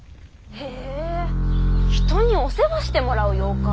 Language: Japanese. へぇ人にお世話してもらう妖怪？